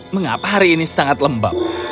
mengapa hari ini sangat lembab